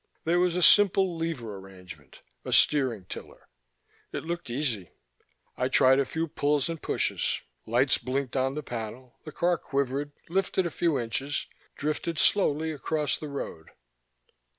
There was a simple lever arrangement: a steering tiller. It looked easy. I tried a few pulls and pushes; lights blinked on the panel, the car quivered, lifted a few inches, drifted slowly across the road.